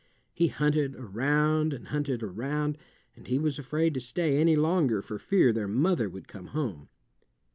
He hunted around and hunted around, and he was afraid to stay any longer for fear their mother would come home.